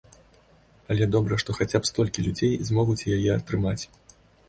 Але добра, што хаця б столькі людзей змогуць яе атрымаць.